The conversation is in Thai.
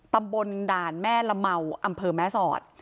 ตำบลด่านแม่ละเมาอำเภอแม่สอด